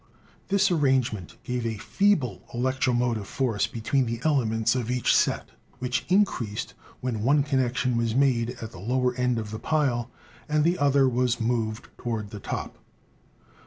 This arrangement gave a feeble electromotive force be tween the elements of each set, which increased when one connection was made at the lower end of the pile and the other was moved toward the top.